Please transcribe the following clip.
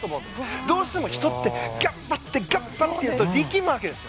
どうしても人って頑張って、頑張ってると力むわけです。